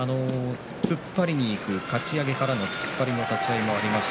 突っ張りにいくかち上げからの突っ張りの立ち合いもありますし